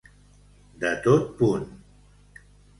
De tot punt.